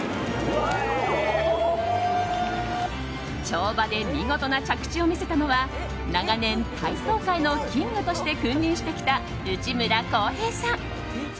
跳馬で見事な着地を見せたのは長年、体操界のキングとして君臨してきた内村航平さん。